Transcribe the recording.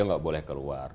enggak boleh keluar